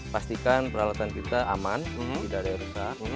pastikan peralatan kita aman tidak ada yang rusak